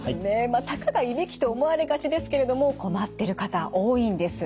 まあたかがいびきと思われがちですけれども困ってる方多いんです。